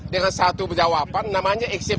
dengan satu jawaban namanya eksim